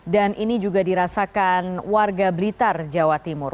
ini juga dirasakan warga blitar jawa timur